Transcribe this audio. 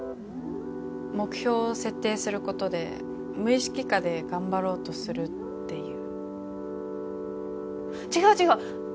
目標を設定することで無意識下で頑張ろうとするっていう違う違う！